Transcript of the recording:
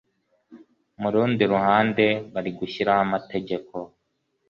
ku rundi ruhande bari gushyiraho amategeko